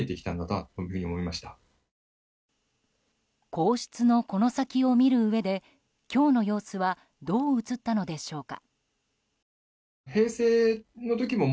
皇室の、この先を見るうえで今日の様子はどう映ったのでしょうか。